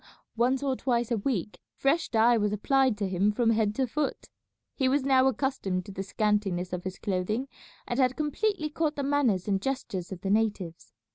Once or twice a week fresh dye was applied to him from head to foot. He was now accustomed to the scantiness of his clothing, and had completely caught the manners and gestures of the natives.